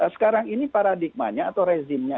sekarang ini paradigmanya atau rezimnya